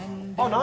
何？